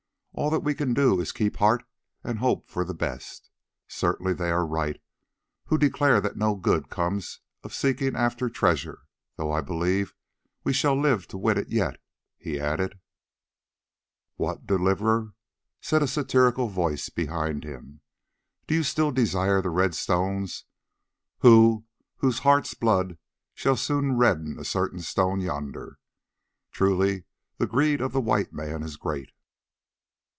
All that we can do is to keep heart and hope for the best. Certainly they are right who declare that no good comes of seeking after treasure; though I believe that we shall live to win it yet," he added. "What! Deliverer," said a satirical voice behind him, "do you still desire the red stones, you whose heart's blood shall soon redden a certain stone yonder? Truly the greed of the white man is great."